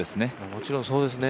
もちろんそうですね。